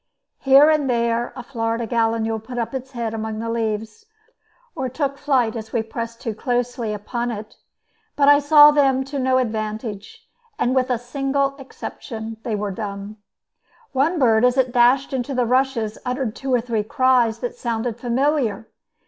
Here and there a Florida gallinule put up its head among the leaves, or took flight as we pressed too closely upon it; but I saw them to no advantage, and with a single exception they were dumb. One bird, as it dashed into the rushes, uttered two or three cries that sounded familiar.